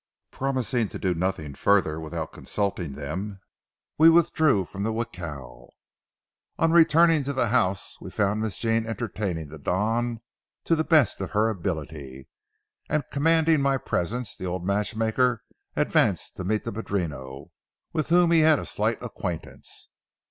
Promising to do nothing further without consulting them, we withdrew from the jacal. On returning to the house, we found Miss Jean entertaining the Don to the best of her ability, and, commanding my presence, the old matchmaker advanced to meet the padrino, with whom he had a slight acquaintance.